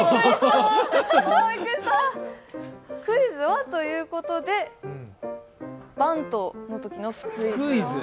クイズはということでバントのときのスクイズ。